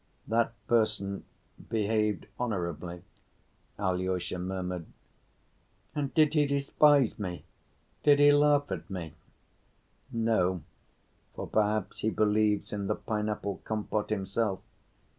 "That person behaved honorably," Alyosha murmured. "And did he despise me? Did he laugh at me?" "No, for perhaps he believes in the pineapple compote himself.